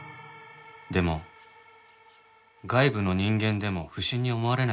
でも外部の人間でも不審に思われない事もあるんだよ。